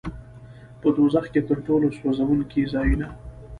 په دوزخ کې تر ټولو سوځوونکي ځایونه.